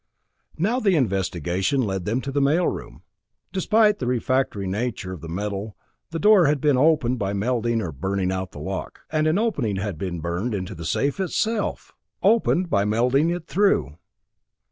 Now the investigation led them to the mail room. Despite the refractory nature of the metal, the door had been opened by melting or burning out the lock. And an opening had been burned into the safe itself! Opened by melting it through!